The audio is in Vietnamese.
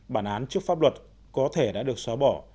bản án trước pháp luật có thể đã được xóa bỏ